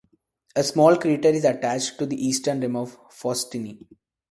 A small crater is attached to the eastern rim of Faustini.